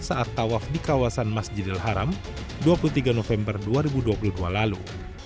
saat tawaf di kawasan masjidil haram dua puluh tiga november dua ribu dua puluh dua lalu